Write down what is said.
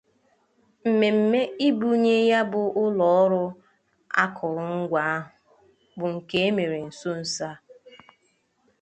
Mmemme ibunye ya bụ ụlọ ọrụ akụrụngwa ahụ bụ nke e mere nso-nso a